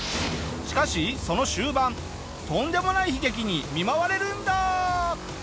しかしその終盤とんでもない悲劇に見舞われるんだ！